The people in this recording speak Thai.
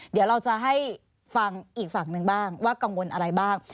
เดี๋ยวเราจะให้ฟังอีกฝั่งหนึ่งบ้างว่ากังวลอะไรบ้าง